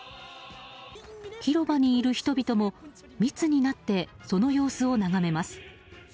広場にいる人々も密になってその様子を眺めます。